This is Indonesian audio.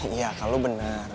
iya kal lu bener